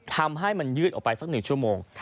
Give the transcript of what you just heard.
ทำให้มันยืดออกไปสัก๑ชั่วโมง